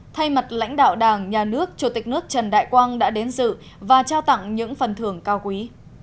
thay mặt lãnh đạo đảng nhà nước chủ tịch nước trần đại quang đã đến dự và trao tặng những phần thưởng cao quý